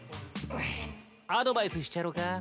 アドバイスしちゃろか？